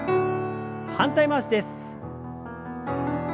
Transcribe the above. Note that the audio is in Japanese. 反対回しです。